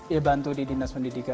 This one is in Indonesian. ya bantu di dinas pendidikan